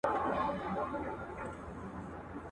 رویباری د بېګانه خلکو تراب کړم.